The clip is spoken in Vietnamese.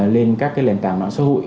lên các cái lền tảng nạn xã hội